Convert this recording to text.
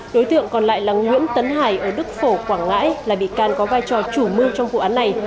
đối tượng còn lại là nguyễn tấn hải ở đức phổ quảng ngãi là bị can có vai trò chủ mưu trong vụ án này